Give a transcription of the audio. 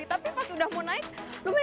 tapi pas udah mau naik lumayan deg degan juga